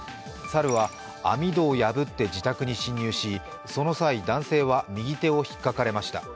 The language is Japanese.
猿は網戸を破って自宅に侵入し、その際、男性は右手をひっかかれました。